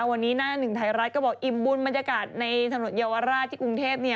วันนี้หน้าหนึ่งไทยรัฐก็บอกอิ่มบุญบรรยากาศในถนนเยาวราชที่กรุงเทพ